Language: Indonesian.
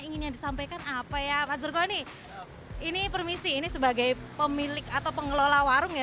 ingin yang disampaikan apa ya mas rukoni ini permisi ini sebagai pemilik atau pengelola warung ya